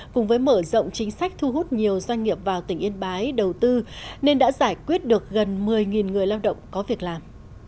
cùng với mở rộng chính sách thu hút nhiều doanh nghiệp vào tỉnh yên bái đầu tư nên đã giải quyết được gần một mươi người lao động có việc làm